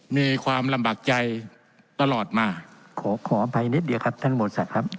มีความลำบากใจตลอดมาขอขออภัยนิดเดียวครับท่านมวลศักดิ์ครับ